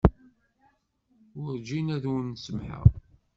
Werǧin ad wen-samḥeɣ.